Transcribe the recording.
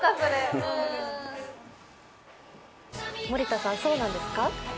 森田さん、そうなんですか？